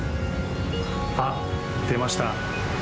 あっ、出ました。